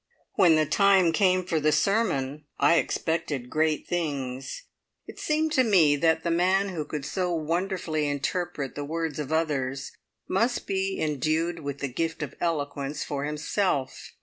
When the time came for the sermon I expected great things. It seemed to me that the man who could so wonderfully interpret the words of others, must be endued with the gift of eloquence for himself.